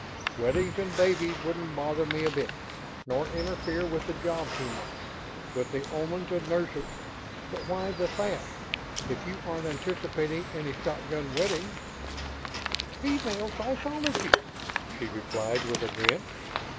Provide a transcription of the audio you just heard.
"Weddings and babies wouldn't bother me a bit. Nor interfere with the job too much, with the Omans as nurses. But why the 'fast', if you aren't anticipating any shotgun weddings?" "Female psychology," she replied, with a grin.